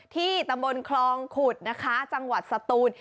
ที่ตำบลคลองขุดนะคะจังหวัดสตูน